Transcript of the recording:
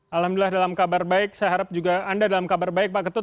alhamdulillah dalam kabar baik saya harap juga anda dalam kabar baik pak ketut